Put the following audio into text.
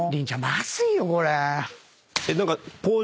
まずいよこれ。